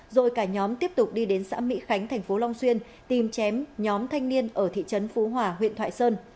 rồi cả nhóm tiếp tục đi đến xã mỹ khánh thành phố long xuyên tìm chém nhóm thanh niên ở thị trấn phú hòa huyện thoại sơn